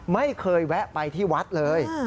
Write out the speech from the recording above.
ไม่เคยแวะไปที่วัดเลย